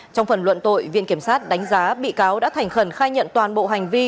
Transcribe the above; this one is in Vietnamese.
trong phần luận tội viện kiểm sát đánh giá bị cáo đã thành khẩn khai nhận toàn bộ hành vi